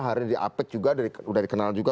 yang di apek juga sudah dikenal juga